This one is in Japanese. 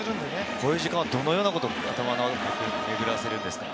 こういう時間はどのようなことを頭を巡らせるんでしょうか？